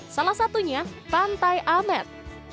salah satunya pantai amed